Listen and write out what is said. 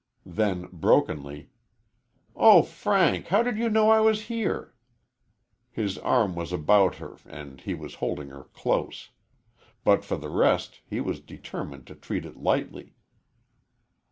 Then, brokenly "Oh, Frank how did you know I was here?" His arm was about her and he was holding her close. But for the rest, he was determined to treat it lightly.